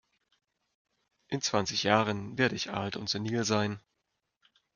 In zwanzig Jahren werde ich alt und senil sein.